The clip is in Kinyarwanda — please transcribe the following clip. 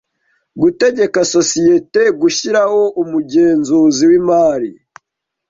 gutegeka sosiyete gushyiraho umugenzuzi w imari